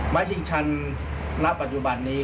ไม้ชิงฉันนับปัจจุบันนี้